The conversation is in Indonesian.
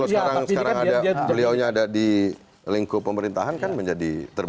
tapi kalau sekarang beliaunya ada di lingkup pemerintahan kan menjadi terbuka